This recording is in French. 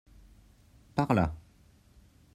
Par là.